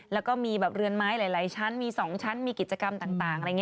แล้วก็มีเรือนไม้หลายชั้นมี๒ชั้นมีกิจกรรมต่าง